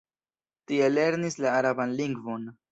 Tie lernis la araban lingvon.